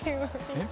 えっ？